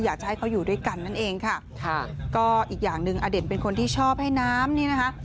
อยากจะให้เขาอยู่ด้วยกันนั่นเองค่ะค่ะก็อีกอย่างหนึ่งอเด่นเป็นคนที่ชอบให้น้ำนี่นะคะ